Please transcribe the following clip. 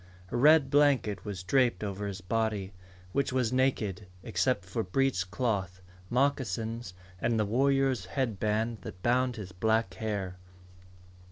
A red blanket was draped over his body, which was naked except for breech cloth, moccasins, and the warrior's headband that bound his black hair.